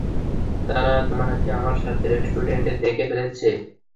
তারা তোমাকে আমার সাথে রেস্টুরেন্টে দেখে ফেলেছে।